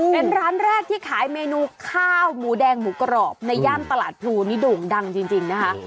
เป็นร้านแรกที่ขายเมนูข้าวหมูแดงหมูกรอบในย่านตลาดพลูนี่โด่งดังจริงนะคะ